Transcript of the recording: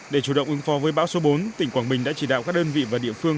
để chủ động ứng phó với bão số bốn tỉnh quảng bình đã chỉ đạo các đơn vị và địa phương